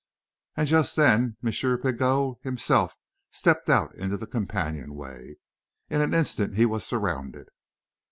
And just then, M. Pigot himself stepped out into the companionway. In an instant he was surrounded.